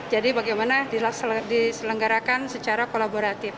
jadi bagaimana diselenggarakan secara kolaboratif